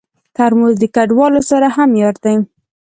ترموز د کډوالو سره هم یار دی.